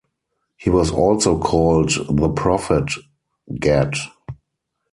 He was also called the Prophet Gad.